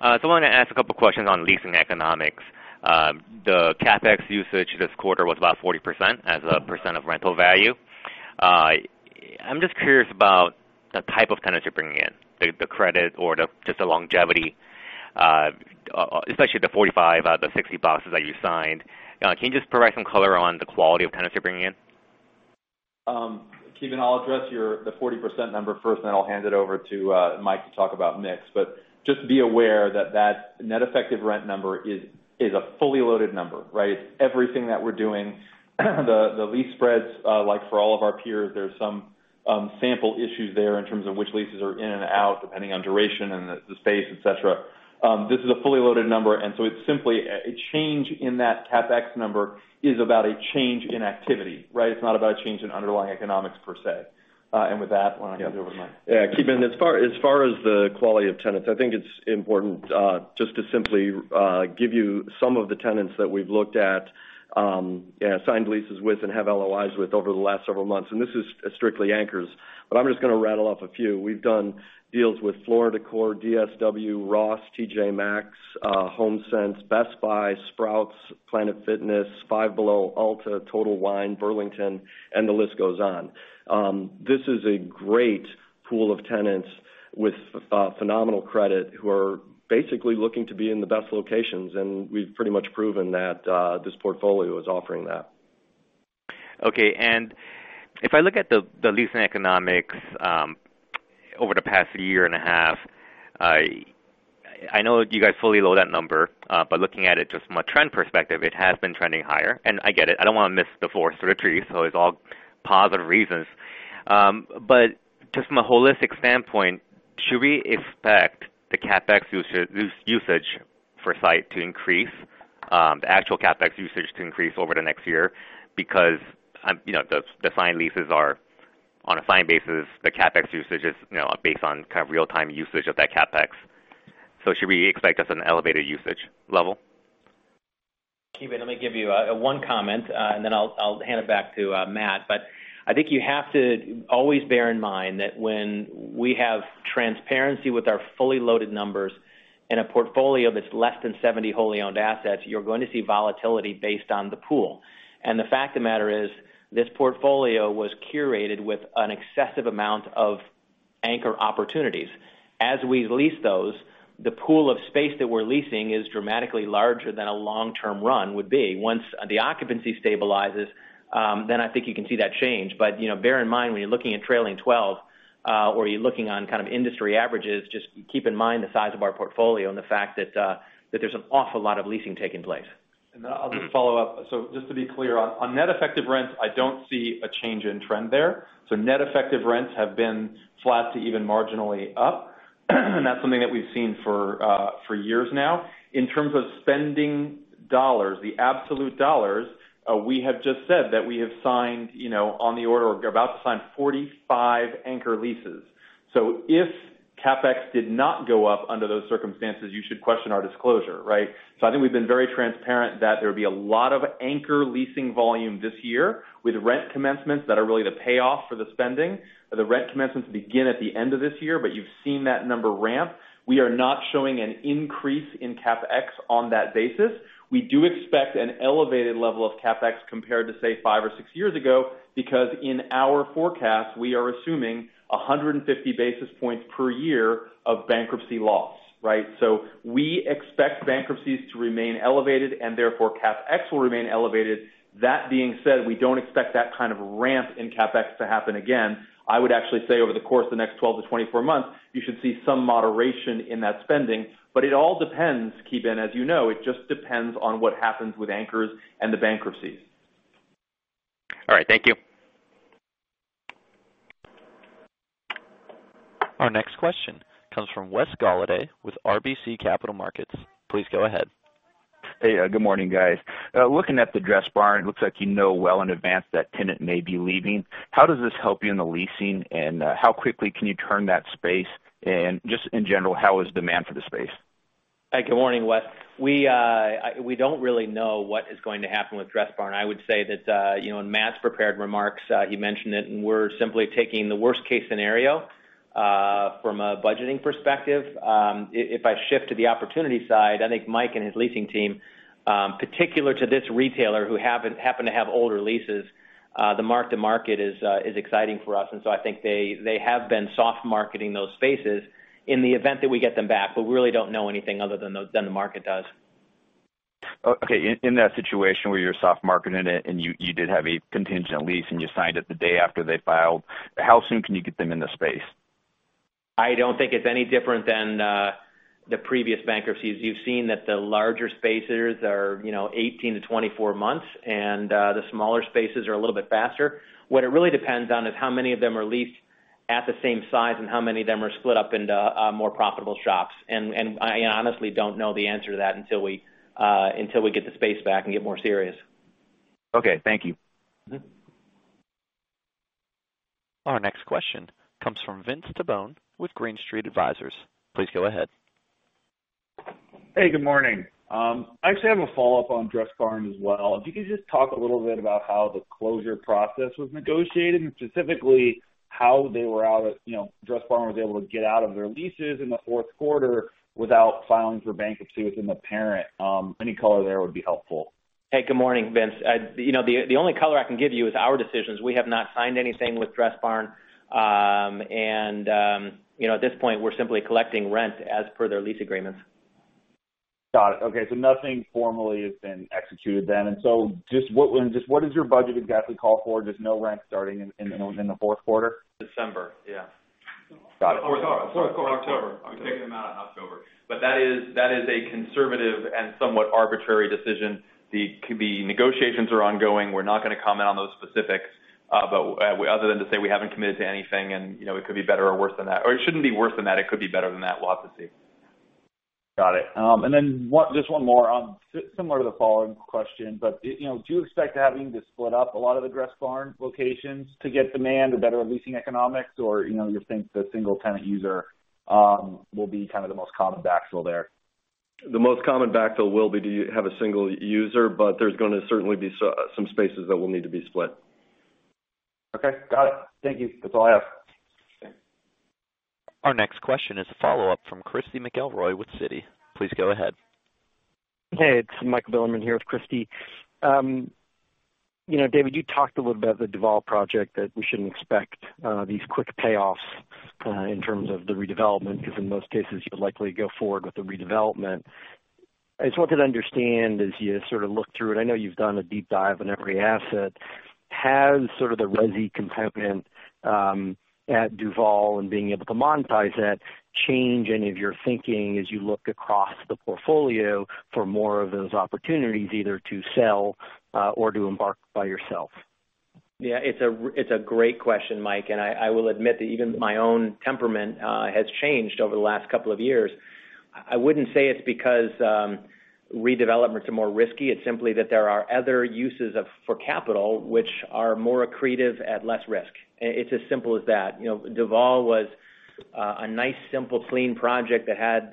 Speaker 13: I want to ask a couple questions on leasing economics. The CapEx usage this quarter was about 40% as a percent of rental value. I'm just curious about the type of tenants you're bringing in, the credit or just the longevity, especially the 45 out of the 60 boxes that you signed. Can you just provide some color on the quality of tenants you're bringing in?
Speaker 3: Ki Bin, I'll address the 40% number first, then I'll hand it over to Mike to talk about mix. Just be aware that that net effective rent number is a fully loaded number, right? It's everything that we're doing. The lease spreads, like for all of our peers, there's some sample issues there in terms of which leases are in and out, depending on duration and the space, et cetera. This is a fully loaded number, it's simply a change in that CapEx number is about a change in activity, right? It's not about a change in underlying economics per se. With that one, I give it over to Mike.
Speaker 4: Yeah. Ki Bin, as far as the quality of tenants, I think it's important, just to simply give you some of the tenants that we've looked at, signed leases with, and have LOIs with over the last several months, and this is strictly anchors. I'm just going to rattle off a few. We've done deals with Floor & Decor, DSW, Ross, TJ Maxx, Homesense, Best Buy, Sprouts, Planet Fitness, Five Below, Ulta, Total Wine, Burlington, and the list goes on. This is a great pool of tenants with phenomenal credit who are basically looking to be in the best locations, and we've pretty much proven that this portfolio is offering that.
Speaker 13: Okay. If I look at the leasing economics over the past year and a half, I know you guys fully load that number. Looking at it just from a trend perspective, it has been trending higher. I get it. I don't want to miss the forest for the trees, so it's all positive reasons. Just from a holistic standpoint, should we expect the CapEx usage for SITE to increase, the actual CapEx usage to increase over the next year? The signed leases are on a signed basis, the CapEx usage is based on real-time usage of that CapEx. Should we expect just an elevated usage level?
Speaker 3: Ki Bin, let me give you one comment, then I'll hand it back to Matt. I think you have to always bear in mind that when we have transparency with our fully loaded numbers in a portfolio that's less than 70 wholly owned assets, you're going to see volatility based on the pool. The fact of the matter is, this portfolio was curated with an excessive amount of anchor opportunities. As we lease those, the pool of space that we're leasing is dramatically larger than a long-term run would be. Once the occupancy stabilizes, then I think you can see that change. Bear in mind, when you're looking at trailing 12, or you're looking on kind of industry averages, just keep in mind the size of our portfolio and the fact that there's an awful lot of leasing taking place.
Speaker 5: I'll just follow up. Just to be clear, on net effective rents, I don't see a change in trend there. Net effective rents have been flat to even marginally up, and that's something that we've seen for years now. In terms of spending dollars, the absolute dollars, we have just said that we have signed on the order or about to sign 45 anchor leases. If CapEx did not go up under those circumstances, you should question our disclosure, right? I think we've been very transparent that there would be a lot of anchor leasing volume this year with rent commencements that are really the payoff for the spending. The rent commencements begin at the end of this year, you've seen that number ramp. We are not showing an increase in CapEx on that basis. We do expect an elevated level of CapEx compared to, say, five or six years ago, because in our forecast, we are assuming 150 basis points per year of bankruptcy loss, right? We expect bankruptcies to remain elevated, and therefore, CapEx will remain elevated. That being said, we don't expect that kind of ramp in CapEx to happen again. I would actually say over the course of the next 12-24 months, you should see some moderation in that spending. It all depends, Ki Bin, as you know. It just depends on what happens with anchors and the bankruptcies.
Speaker 13: All right. Thank you.
Speaker 1: Our next question comes from Wes Golladay with RBC Capital Markets. Please go ahead.
Speaker 14: Hey, good morning, guys. Looking at the Dressbarn, it looks like you know well in advance that tenant may be leaving. How does this help you in the leasing, and how quickly can you turn that space? Just in general, how is demand for the space?
Speaker 3: Hey, good morning, Wes. We don't really know what is going to happen with Dressbarn. We're simply taking the worst-case scenario from a budgeting perspective. If I shift to the opportunity side, I think Mike and his leasing team, particular to this retailer who happen to have older leases, the mark-to-market is exciting for us. I think they have been soft marketing those spaces in the event that we get them back, but we really don't know anything other than the market does.
Speaker 14: In that situation where you're soft marketing it and you did have a contingent lease and you signed it the day after they filed, how soon can you get them in the space?
Speaker 3: I don't think it's any different than the previous bankruptcies. You've seen that the larger spaces are 18-24 months, and the smaller spaces are a little bit faster. What it really depends on is how many of them are leased at the same size, and how many of them are split up into more profitable shops. I honestly don't know the answer to that until we get the space back and get more serious.
Speaker 14: Okay. Thank you.
Speaker 1: Our next question comes from Vince Tibone with Green Street Advisors. Please go ahead.
Speaker 15: Good morning. I actually have a follow-up on Dressbarn as well. I you could just talk a little bit about how the closure process was negotiated, and specifically how Dressbarn was able to get out of their leases in the fourth quarter without filing for bankruptcy within the parent. Any color there would be helpful.
Speaker 3: Hey, good morning, Vince. The only color I can give you is our decisions. We have not signed anything with Dressbarn. At this point, we're simply collecting rent as per their lease agreements.
Speaker 15: Got it. Okay. Nothing formally has been executed then. Just what does your budget exactly call for? Just no rent starting in the fourth quarter?
Speaker 5: December. Yeah. Got it. Fourth quarter.
Speaker 15: October.
Speaker 5: We're taking them out in October. That is a conservative and somewhat arbitrary decision. The negotiations are ongoing. We're not going to comment on those specifics. Other than to say we haven't committed to anything and it could be better or worse than that, or it shouldn't be worse than that. It could be better than that. We'll have to see.
Speaker 15: Got it. Just one more. Similar to the following question, do you expect having to split up a lot of the Dressbarn locations to get demand or better leasing economics? You think the single-tenant user will be kind of the most common backfill there?
Speaker 4: The most common backfill will be to have a single user, but there's going to certainly be some spaces that will need to be split.
Speaker 15: Okay, got it. Thank you. That's all I have.
Speaker 1: Our next question is a follow-up from Christy McElroy with Citi. Please go ahead.
Speaker 16: Hey, it's Mike Bilerman here with Christy. David, you talked a little about the Duvall project, that we shouldn't expect these quick payoffs in terms of the redevelopment, because in most cases, you'll likely go forward with the redevelopment. I just wanted to understand as you sort of look through it, I know you've done a deep dive on every asset, has sort of the resi component, at Duvall and being able to monetize that, change any of your thinking as you look across the portfolio for more of those opportunities, either to sell or to embark by yourself?
Speaker 3: Yeah, it's a great question, Mike, and I will admit that even my own temperament has changed over the last couple of years. I wouldn't say it's because redevelopments are more risky. It's simply that there are other uses for capital which are more accretive at less risk. It's as simple as that. Duvall was a nice, simple, clean project that had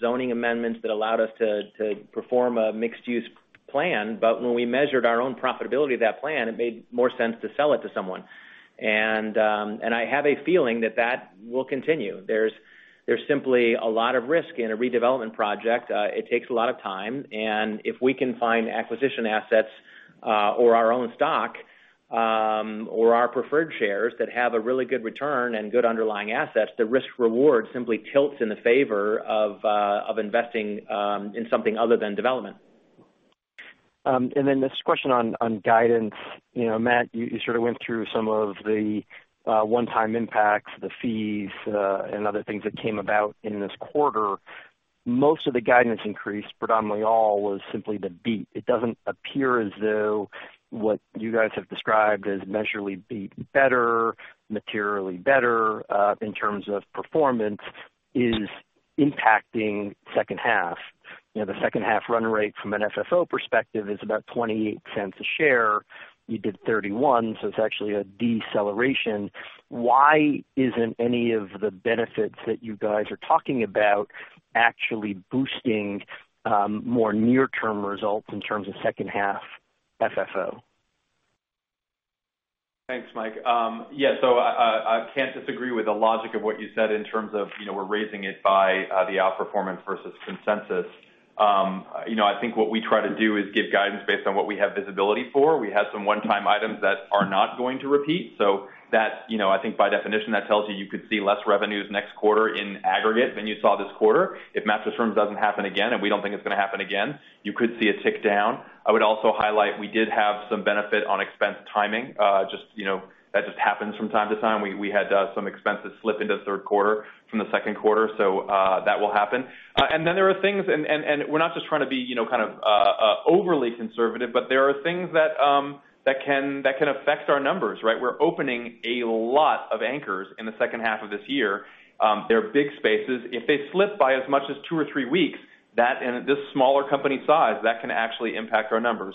Speaker 3: zoning amendments that allowed us to perform a mixed-use plan. When we measured our own profitability of that plan, it made more sense to sell it to someone. I have a feeling that that will continue. There's simply a lot of risk in a redevelopment project. It takes a lot of time, and if we can find acquisition assets or our own stock, or our preferred shares that have a really good return and good underlying assets, the risk-reward simply tilts in the favor of investing in something other than development.
Speaker 16: Then this question on guidance. Matt, you sort of went through some of the one-time impacts, the fees, and other things that came about in this quarter. Most of the guidance increase, predominantly all, was simply the beat. It doesn't appear as though what you guys have described as measurably beat better, materially better, in terms of performance, is impacting second half. The second half run rate from an FFO perspective is about $0.28 a share. You did $0.31, so it's actually a deceleration. Why isn't any of the benefits that you guys are talking about actually boosting more near-term results in terms of second half FFO?
Speaker 5: Thanks, Mike. Yeah. I can't disagree with the logic of what you said in terms of we're raising it by the outperformance versus consensus. I think what we try to do is give guidance based on what we have visibility for. We had some one-time items that are not going to repeat. That, I think by definition, that tells you could see less revenues next quarter in aggregate than you saw this quarter. If Mattress Firm doesn't happen again, and we don't think it's going to happen again, you could see a tick down. I would also highlight, we did have some benefit on expense timing, that just happens from time to time. We had some expenses slip into third quarter from the second quarter, so that will happen. We are not just trying to be overly conservative but there are things that can affect our numbers, right? We're opening a lot of anchors in the second half of this year. They're big spaces. If they slip by as much as two or three weeks, that and this smaller company size, that can actually impact our numbers.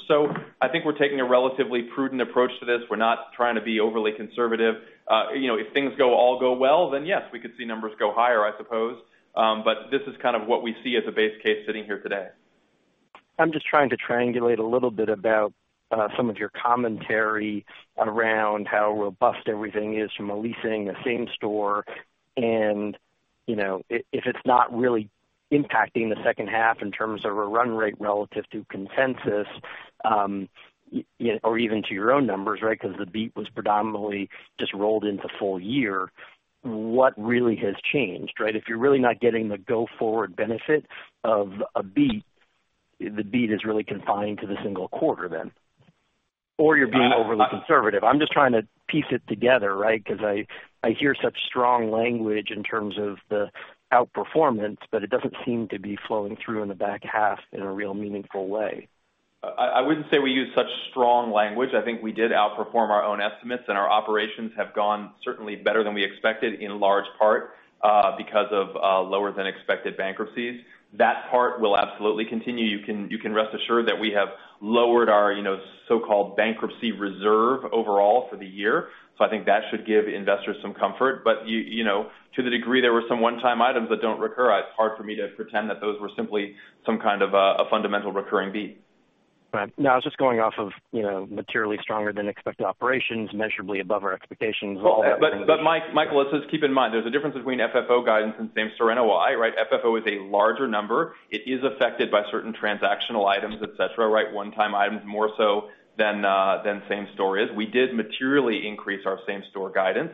Speaker 5: I think we're taking a relatively prudent approach to this. We're not trying to be overly conservative. If things all go well, yes, we could see numbers go higher, I suppose. This is kind of what we see as a base case sitting here today.
Speaker 16: I'm just trying to triangulate a little bit about some of your commentary around how robust everything is from a leasing, a same store, and if it's not really impacting the second half in terms of a run rate relative to consensus, or even to your own numbers, right? The beat was predominantly just rolled into full year. What really has changed, right? If you're really not getting the go forward benefit of a beat, the beat is really confined to the single quarter then. Or you're being overly conservative. I'm just trying to piece it together, right? I hear such strong language in terms of the outperformance, but it doesn't seem to be flowing through in the back half in a real meaningful way.
Speaker 5: I wouldn't say we use such strong language. I think we did outperform our own estimates, and our operations have gone certainly better than we expected in large part, because of lower than expected bankruptcies. That part will absolutely continue. You can rest assured that we have lowered our so-called bankruptcy reserve overall for the year. I think that should give investors some comfort. To the degree there were some one-time items that don't recur, it's hard for me to pretend that those were simply some kind of a fundamental recurring beat.
Speaker 16: Right. No, I was just going off of materially stronger than expected operations, measurably above our expectations.
Speaker 5: Mike, let's just keep in mind there's a difference between FFO guidance and same store NOI, right? FFO is a larger number. It is affected by certain transactional items, et cetera, right? One-time items more so than same store is. We did materially increase our same store guidance.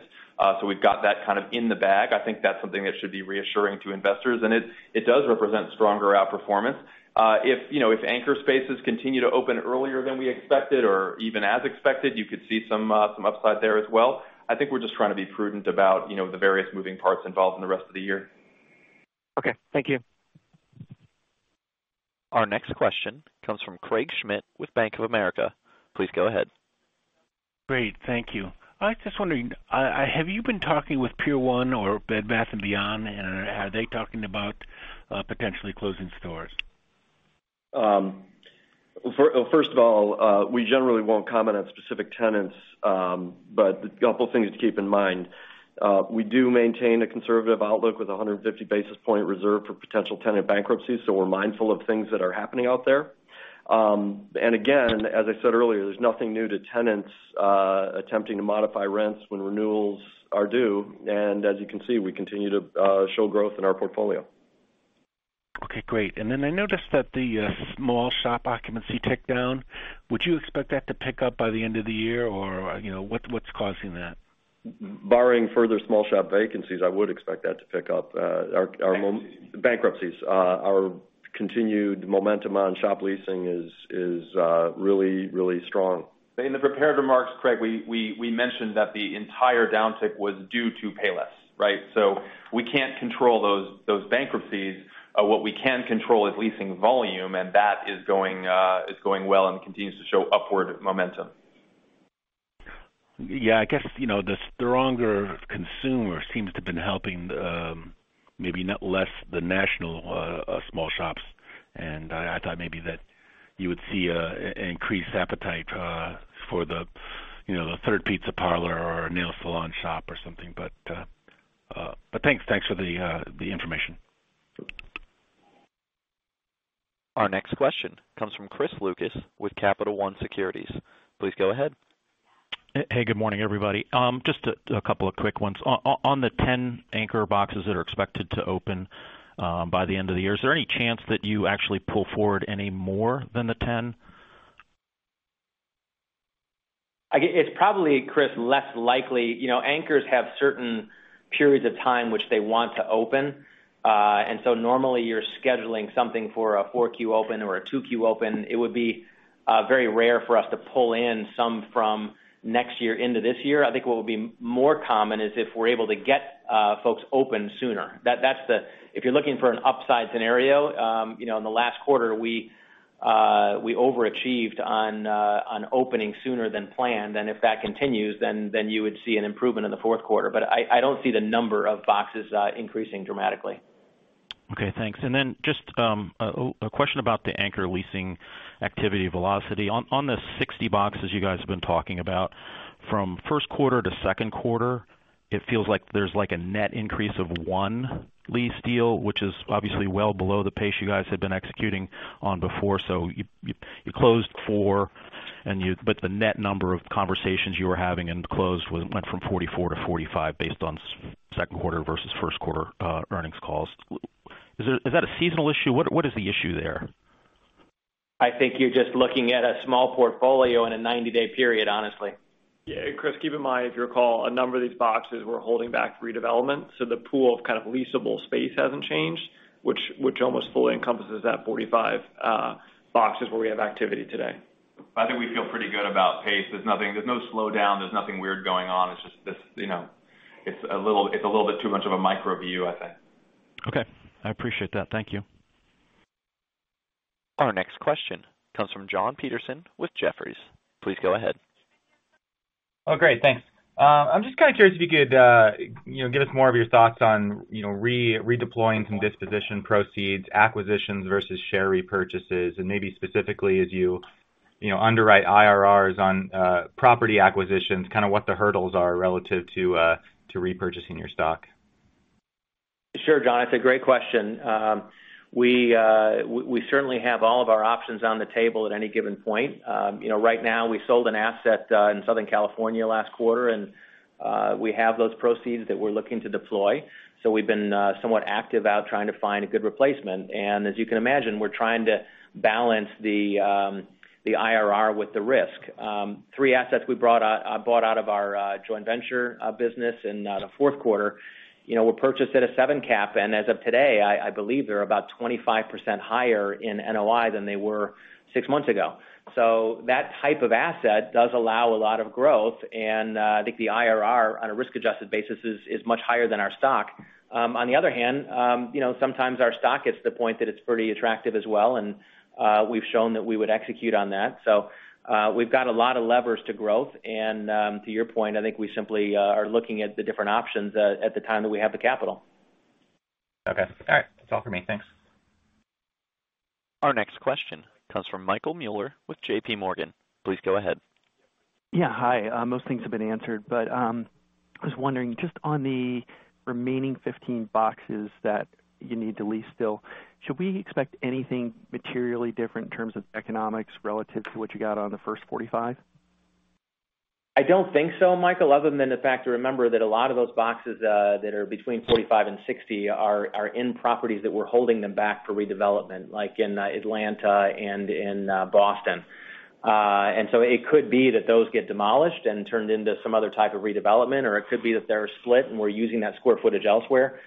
Speaker 5: We've got that kind of in the bag. I think that's something that should be reassuring to investors, and it does represent stronger outperformance. If anchor spaces continue to open earlier than we expected or even as expected, you could see some upside there as well. I think we're just trying to be prudent about the various moving parts involved in the rest of the year.
Speaker 16: Okay. Thank you.
Speaker 1: Our next question comes from Craig Schmidt with Bank of America. Please go ahead.
Speaker 17: Great. Thank you. I was just wondering, have you been talking with Pier 1 or Bed Bath & Beyond, and are they talking about potentially closing stores?
Speaker 4: First of all, we generally won't comment on specific tenants. A couple of things to keep in mind. We do maintain a conservative outlook with 150 basis point reserve for potential tenant bankruptcies, so we're mindful of things that are happening out there. Again, as I said earlier, there's nothing new to tenants attempting to modify rents when renewals are due. As you can see, we continue to show growth in our portfolio.
Speaker 17: Okay, great. I noticed that the small shop occupancy tick down. Would you expect that to pick up by the end of the year? What's causing that?
Speaker 4: Barring further small shop vacancies, I would expect that to pick up.
Speaker 17: Bankruptcies.
Speaker 4: Bankruptcies. Our continued momentum on shop leasing is really strong.
Speaker 3: In the prepared remarks, Craig, we mentioned that the entire downtick was due to Payless. We can't control those bankruptcies. What we can control is leasing volume, and that is going well and continues to show upward momentum.
Speaker 17: Yeah. I guess, the stronger consumer seems to have been helping, maybe not less the national small shops. I thought maybe that you would see an increased appetite for the third pizza parlor or nail salon shop or something. Thanks for the information.
Speaker 1: Our next question comes from Chris Lucas with Capital One Securities. Please go ahead.
Speaker 18: Hey. Good morning, everybody. Just a couple of quick ones. On the 10 anchor boxes that are expected to open by the end of the year, is there any chance that you actually pull forward any more than the 10?
Speaker 3: It's probably, Chris, less likely. Anchors have certain periods of time which they want to open. Normally you're scheduling something for a 4Q open or a 2Q open. It would be very rare for us to pull in some from next year into this year. I think what would be more common is if we're able to get folks open sooner. If you're looking for an upside scenario, in the last quarter, we overachieved on opening sooner than planned. If that continues, you would see an improvement in the fourth quarter. I don't see the number of boxes increasing dramatically.
Speaker 18: Okay, thanks. Just a question about the anchor leasing activity velocity. On the 60 boxes you guys have been talking about, from first quarter to second quarter, it feels like there's a net increase of one lease deal, which is obviously well below the pace you guys had been executing on before. You closed four, but the net number of conversations you were having and closed went from 44 to 45 based on second quarter versus first quarter earnings calls. Is that a seasonal issue? What is the issue there?
Speaker 3: I think you're just looking at a small portfolio in a 90-day period, honestly.
Speaker 4: Yeah. Chris, keep in mind, if you recall, a number of these boxes were holding back redevelopment. The pool of leaseable space hasn't changed, which almost fully encompasses that 45 boxes where we have activity today.
Speaker 3: I think we feel pretty good about pace. There's no slowdown. There's nothing weird going on. It's a little bit too much of a micro view, I think.
Speaker 18: Okay. I appreciate that. Thank you.
Speaker 1: Our next question comes from Jon Petersen with Jefferies. Please go ahead.
Speaker 19: Oh, great. Thanks. I'm just kind of curious if you could give us more of your thoughts on redeploying some disposition proceeds, acquisitions versus share repurchases, and maybe specifically as you underwrite IRRs on property acquisitions, kind of what the hurdles are relative to repurchasing your stock?
Speaker 3: Sure. Jon, it's a great question. We certainly have all of our options on the table at any given point. Right now, we sold an asset in Southern California last quarter, and we have those proceeds that we're looking to deploy. We've been somewhat active out trying to find a good replacement. As you can imagine, we're trying to balance the IRR with the risk. Three assets we bought out of our joint venture business in the fourth quarter were purchased at a seven cap. As of today, I believe they're about 25% higher in NOI than they were six months ago. That type of asset does allow a lot of growth, and I think the IRR on a risk-adjusted basis is much higher than our stock. On the other hand, sometimes our stock gets to the point that it's pretty attractive as well, and we've shown that we would execute on that. We've got a lot of levers to growth. To your point, I think we simply are looking at the different options at the time that we have the capital.
Speaker 19: Okay. All right. That's all for me. Thanks.
Speaker 1: Our next question comes from Michael Mueller with J.P. Morgan. Please go ahead.
Speaker 20: Yeah. Hi. Most things have been answered. I was wondering just on the remaining 15 boxes that you need to lease still, should we expect anything materially different in terms of economics relative to what you got on the first 45?
Speaker 3: I don't think so, Michael, other than the fact to remember that a lot of those boxes that are between 45 and 60 are in properties that we're holding them back for redevelopment, like in Atlanta and in Boston. It could be that those get demolished and turned into some other type of redevelopment, or it could be that they're split, and we're using that square footage elsewhere.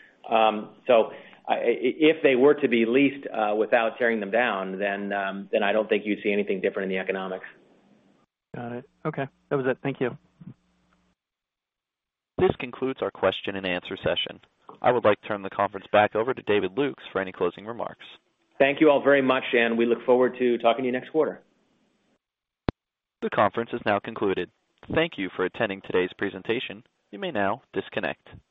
Speaker 3: If they were to be leased without tearing them down, then I don't think you'd see anything different in the economics.
Speaker 20: Got it. Okay. That was it. Thank you.
Speaker 1: This concludes our question-and-answer session. I would like to turn the conference back over to David Lukes for any closing remarks.
Speaker 3: Thank you all very much, and we look forward to talking to you next quarter.
Speaker 1: The conference is now concluded. Thank you for attending today's presentation. You may now disconnect.